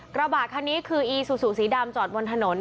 กระบะคันนี้คืออีซูซูสีดำจอดบนถนน